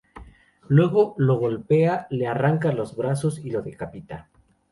Luego lo golpea, le arranca los brazos y lo decapita.